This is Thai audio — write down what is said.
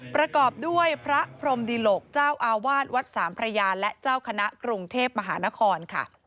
ประกอบด้วยพระพรมดิหลกเจ้าอาวาสวัดสามพระยาและเจ้าคณะกรุงเทพมหานครค่ะ